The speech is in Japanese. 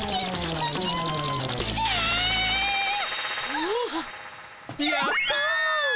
あっやった！